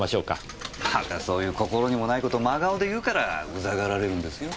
またそういう心にもない事真顔で言うからウザがられるんですよ。